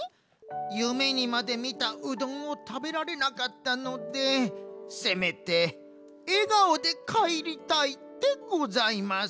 ゆめにまでみたうどんをたべられなかったのでせめてえがおでかえりたいでございます。